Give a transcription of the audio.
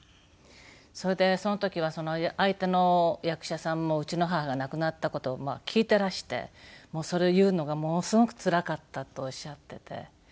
それでその時は相手の役者さんもうちの母が亡くなった事を聞いていらしてそれを言うのがものすごくつらかったとおっしゃっていて。